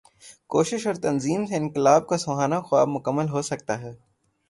کوشش اور تنظیم سے انقلاب کا سہانا خواب مکمل ہو سکتا ہے۔